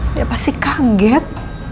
dia pasti kaget